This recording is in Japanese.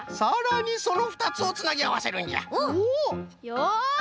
よし！